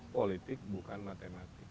politik bukan matematik